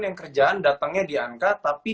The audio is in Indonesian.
yang kerjaan datangnya di anca tapi